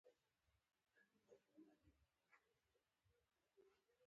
پکې هستچه یا بل کروموزومي جلا ساختمان موجود نه دی.